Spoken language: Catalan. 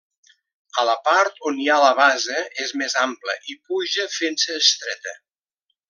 A la part on hi ha la base és més ampla i puja fent-se estreta.